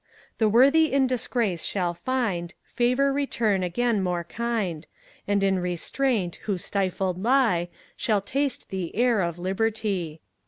The worthy in disgrace shall find Favour return again more kind, And in restraint who stifled lie, Shall taste the air of liberty.